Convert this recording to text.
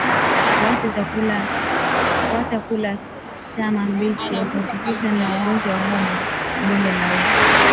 Kuacha kula nyama mbichi hukabiliana na ugonjwa wa homa ya bonde la ufa